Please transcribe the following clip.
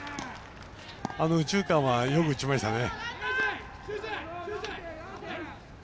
右中間はよく打ちましたね。